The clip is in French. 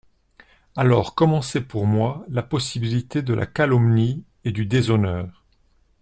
Alors commencerait pour moi la possibilité de la calomnie et du déshonneur.